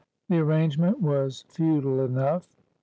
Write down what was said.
The arrangement was feudal enough.